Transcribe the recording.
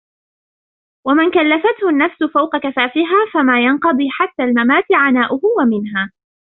وَمَنْ كَلَّفَتْهُ النَّفْسُ فَوْقَ كَفَافِهَا فَمَا يَنْقَضِي حَتَّى الْمَمَاتِ عَنَاؤُهُ وَمِنْهَا